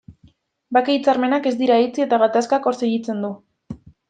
Bake hitzarmenak ez dira itxi eta gatazkak hor segitzen du.